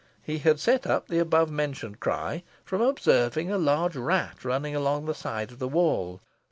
He had set up the above mentioned cry from observing a large rat running along the side of the wall.